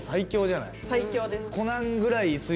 最強です。